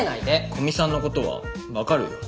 古見さんのことは分かるよ。